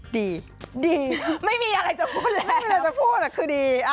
ดีไม่มีอะไรจะพูดแล้วคือดี